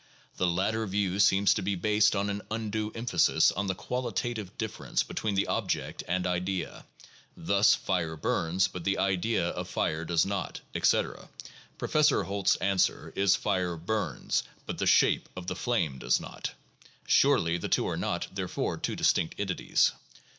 The latter view seems to be based on an undue emphasis on the quali tative difference between the object and idea; thus, "fire burns, but the idea of fire does not," etc. Professor Holt's answer is, "Fire burns, but the shape of the flame does not. '' Surely the two are not, therefore, two distinct entities.